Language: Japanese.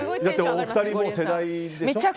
お二人世代でしょ。